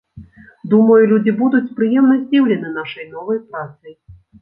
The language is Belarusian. Думаю, людзі будуць прыемна здзіўлены нашай новай працай.